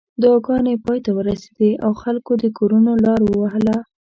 دعاګانې پای ته ورسېدې او خلکو د کورونو لار وهله.